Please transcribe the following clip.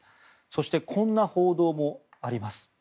そして、こんな報道もあります。